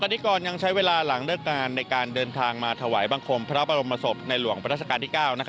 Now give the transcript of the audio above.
พระศักดิกรยังใช้เวลาหลังเดินการในการเดินทางมาถวายบังคมพระพระมาศพในหลวงประศกาลที่๙